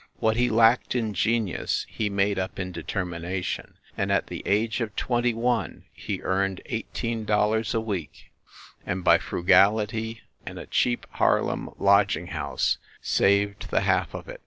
What he lacked in genius he made up in determination; and, at the age of twenty one, he earned eighteen dollars a week, and by frugality and a cheap Harlem lodging house saved the half of it.